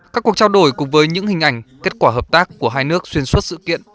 các cuộc trao đổi cùng với những hình ảnh kết quả hợp tác của hai nước xuyên suốt sự kiện